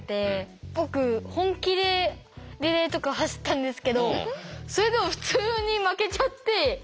僕本気でリレーとか走ったんですけどそれでも普通に負けちゃって。